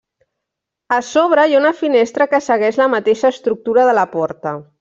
A sobre hi ha una finestra que segueix la mateixa estructura de la porta.